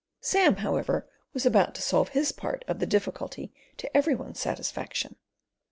Sam, however, was about to solve his part of the difficulty to every one's satisfaction.